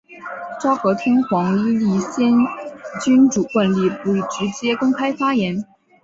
昭和天皇依立宪君主惯例不直接公开发言。